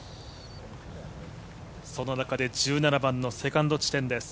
その中で１７番のセカンド地点です。